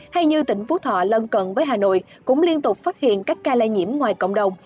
hay như tỉnh phú thọ lân cận với hà nội cũng liên tục phát hiện các ca lây nhiễm ngoài cộng đồng